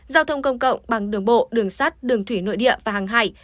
giao thông công cộng bằng đường bộ đường sắt đường thủy nội địa và hàng hải